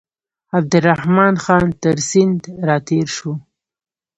عبدالرحمن خان تر سیند را تېر شو.